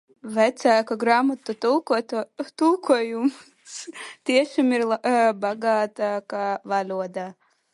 Vecāko grāmatu tulkojumos tiešām ir bagātāka valoda.